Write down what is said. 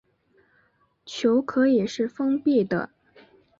球可以是封闭的。